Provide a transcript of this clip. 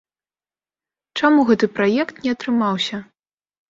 Чаму гэты праект не атрымаўся?